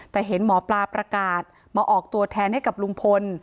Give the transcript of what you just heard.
แต่เห็นหมอปลาประกาศมาออกตัวแทนให้กับลุงพล